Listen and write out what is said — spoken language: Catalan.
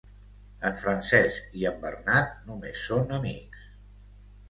En Francesc i en Bernat només són amics.